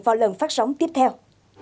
vào lần phát sóng tiếp theo